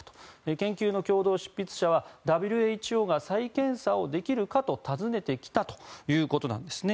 研究の共同執筆者はＷＨＯが再検査をできるかと尋ねてきたということなんです。